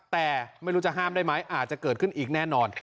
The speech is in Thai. แต่ไม่รู้จะห้ามได้ไหมอาจจะเกิดขึ้นอีกแน่นอน